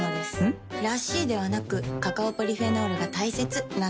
ん？らしいではなくカカオポリフェノールが大切なんです。